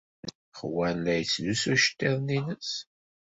Juan la yettlusu iceḍḍiḍen-nnes.